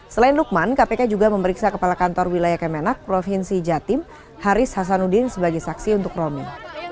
selain lukman kpk juga memeriksa kepala kantor wilayah kemenak provinsi jatim haris hasanuddin sebagai saksi untuk romi